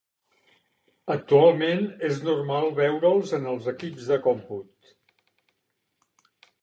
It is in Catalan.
Actualment és normal veure'ls en els equips de còmput.